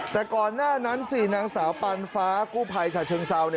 แต่ก่อนหน้านั้นสินางสาวปานฟ้ากู้ภัยฉะเชิงเซา